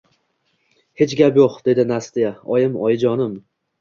Hech gap yoʻq, – dedi Nastya. – Oyim, oyijonim…